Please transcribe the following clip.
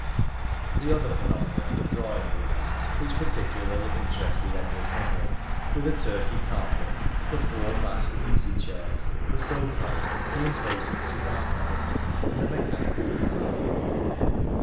The other phenomena of the drawing room which particularly interested Edward Henry were the Turkey carpet, the four vast easy chairs, the sofa, the imposing cigar cabinet, and the mechanical piano player.